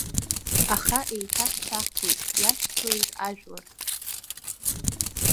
Аха еиҭасҳәахуеит, иашьцылеит ажәлар.